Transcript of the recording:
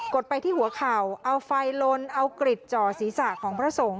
ดไปที่หัวเข่าเอาไฟลนเอากริดจ่อศีรษะของพระสงฆ์